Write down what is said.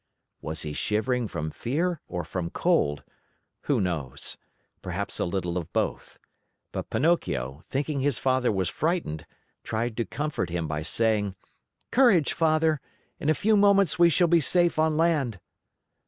Was he shivering from fear or from cold? Who knows? Perhaps a little of both. But Pinocchio, thinking his father was frightened, tried to comfort him by saying: "Courage, Father! In a few moments we shall be safe on land."